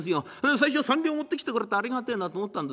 最初は三両持ってきてくれてありがてえなと思ったんですけどもね